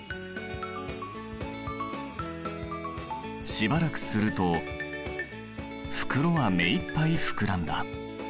しばらくすると袋は目いっぱい膨らんだ。